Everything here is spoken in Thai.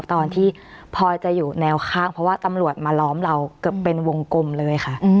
ตอนที่พอจะอยู่แนวข้างเพราะว่าตำรวจมาล้อมเราเกือบเป็นวงกลมเลยค่ะ